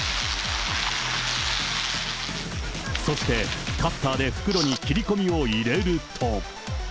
そして、カッターで袋に切り込みを入れると。